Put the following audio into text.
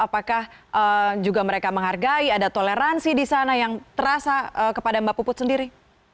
apakah juga mereka menghargai ada toleransi di sana yang terasa kepada mbak puput sendiri